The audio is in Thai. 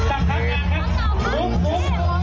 ออกไปนี่เอาข้างหน้าค่ะ